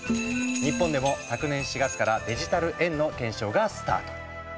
日本でも昨年４月からデジタル円の検証がスタート。